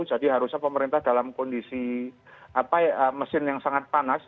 jadi harusnya pemerintah dalam kondisi mesin yang sangat panas